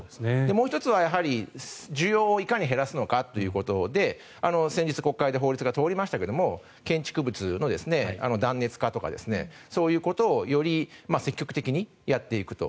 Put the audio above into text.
もう１つは需要をいかに減らすのかで先日国会で法律が通りましたが建築物の断熱化とかそういうことをより積極的にやっていくと。